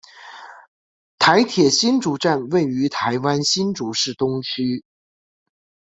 台铁新竹站位于台湾新竹市东区。